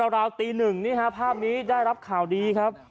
ราวตี๑ภาพนี้ได้รับข่าวดีครับ